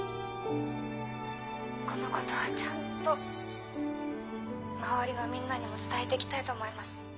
このことはちゃんと周りのみんなにも伝えて行きたいと思います。